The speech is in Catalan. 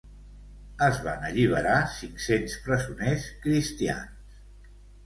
Es van alliberar cinc-cents presoners cristians.